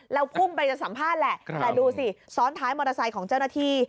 แล้วพุ่งไปจะสัมภาษณ์แหละแต่ดูสิซ้อนท้ายมอเตอร์ไซค์ของเจ้าหน้าที่